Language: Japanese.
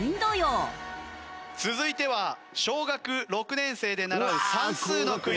続いては小学６年生で習う算数のクイズです。